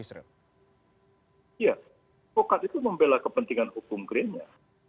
ya advokat itu membela kepentingan hukum kerennya